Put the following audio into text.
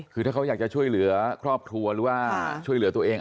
คือถ้าเขาอยากจะช่วยเหลือครอบครัวหรือว่าช่วยเหลือตัวเอง